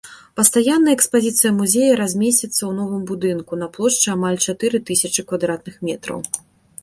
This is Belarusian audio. Пастаянная экспазіцыя музея размесціцца ў новым будынку на плошчы амаль чатыры тысячы квадратных метраў.